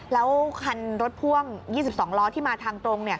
แล้วคันรถพ่วง๒๒ล้อที่มาทางตรง